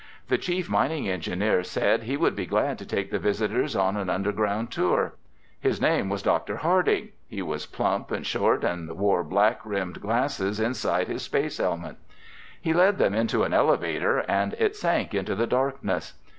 The chief mining engineer said he would be glad to take the visitors on an underground tour. His name was Dr. Harding. He was plump and short and wore black rimmed glasses inside his space helmet. He led them into an elevator and it sank into the darkness.